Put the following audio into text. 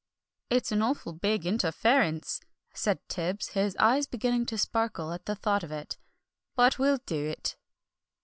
"It's an awful big interference," said Tibbs, his eyes beginning to sparkle at the thought of it. "But we'll do it."